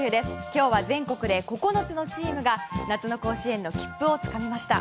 今日は全国で９つのチームが夏の甲子園の切符をつかみました。